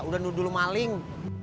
udah dulu dulu maling